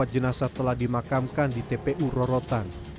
empat puluh empat jenazah telah dimakamkan di tpu rorotan